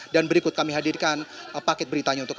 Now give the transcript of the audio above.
berikut kami hadirkan paket beritanya untuk anda